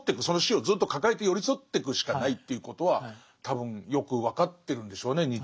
その死をずっと抱えて寄り添ってくしかないということは多分よく分かってるんでしょうね